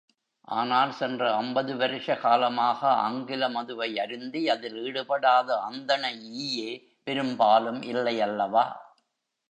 ஆனால், சென்ற ஐம்பது வருஷ காலமாக ஆங்கில மதுவை அருந்தி அதில் ஈடுபடாத அந்தண ஈயே பெரும்பாலும் இல்லையல்லவா?